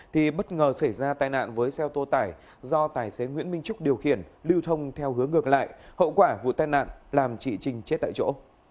thì bất ngờ xảy ra tai nạn với xe ô tô tải do tài xế nguyễn minh trúc điều khiển lưu thông theo hướng ngược lại hậu quả vụ tai nạn làm chị trinh chết tại chỗ